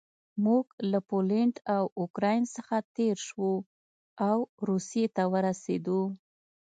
موږ له پولنډ او اوکراین څخه تېر شوو او روسیې ته ورسېدو